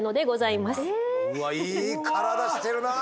うわっいい体してるなあ！